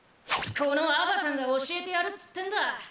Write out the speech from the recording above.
このアバさんが教えてやるっつってんだ。